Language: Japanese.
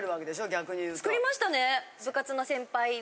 逆に言うと。作りましたね。